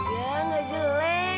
oh iya nggak jelek